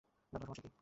জন, তোমার সমস্যা কী?